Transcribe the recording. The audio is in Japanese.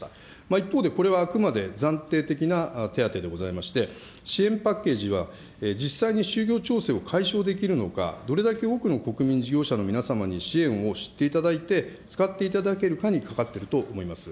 一方でこれはあくまで暫定的な手当でございまして、支援パッケージは、実際に就業調整を解消できるのか、どれだけ多くの国民、事業者の皆様に支援を知っていただいて、使っていただけるかにかかっていると思います。